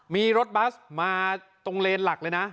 มีรถบัสมาตรงเลนหลักเลยนะ